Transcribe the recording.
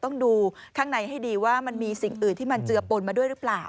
ต้องดูข้างในให้ดีว่ามันมีสิ่งอื่นที่มันเจือปนมาด้วยหรือเปล่า